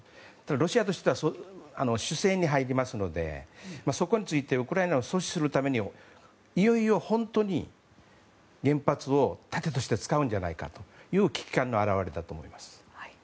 ロシアとしては守勢に入りますのでそこについてウクライナを阻止するためにいよいよ本当に原発を盾として使うんじゃないかという危機感の表れだと思います。